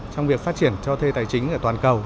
trong việc phát triển cho thuê tài chính ở toàn cầu